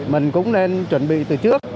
mình cũng nên chuẩn bị từ trước